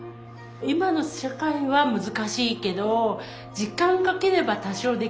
今の社会は難しいけど時間かければ多少できるかな。